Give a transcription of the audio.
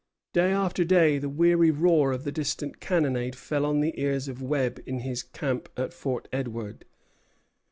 Day after day the weary roar of the distant cannonade fell on the ears of Webb in his camp at Fort Edward.